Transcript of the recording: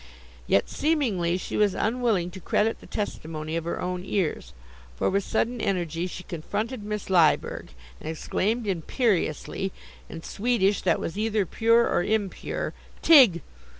Yet seemingly she was unwilling to credit the testimony of her own ears, for with sudden energy, she confronted Miss Lyberg, and exclaimed imperiously, in Swedish that was either pure or impure: "_Tig.